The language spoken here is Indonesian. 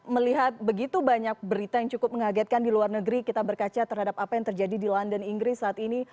melihat begitu banyak berita yang cukup mengagetkan di luar negeri kita berkaca terhadap apa yang terjadi di london inggris saat ini